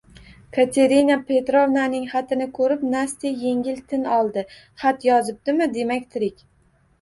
Katerina Petrovnaning xatini koʻrib Nastya yengil tin oldi – xat yozibdimi, demak, tirik.